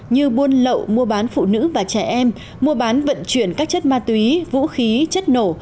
như buôn lậu mua bán phụ nữ và trẻ em mua bán vận chuyển các chất ma túy vũ khí chất nổ